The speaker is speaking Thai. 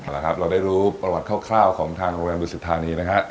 แล้วเราได้รู้ประวัติคร่าวของทางโรงแรมดุสิทธานีนะครับ